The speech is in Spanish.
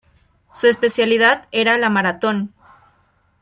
Su especialidad era la maratón.